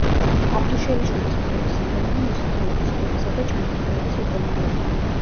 აბდუშელიშვილის კვლევის საგანია მოსახლეობის კვებისა და ჯანმრთელობის მდგომარეობა.